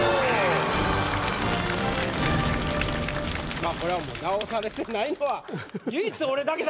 まあこれは直されてないのは唯一俺だけだと。